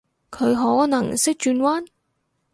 佢可能識轉彎？